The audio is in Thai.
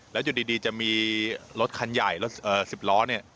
แล้วอยู่ดีจะมีรถคันใหญ่รถ๑๐ล้อเนี่ย